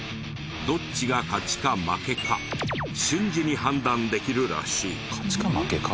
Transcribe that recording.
どっちが勝ちか負けか瞬時に判断できるらしい。